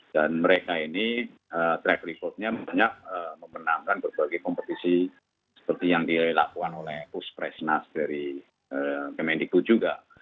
dan mereka ini track record nya banyak memenangkan berbagai kompetisi seperti yang dilakukan oleh kus presnas dari kemendikut juga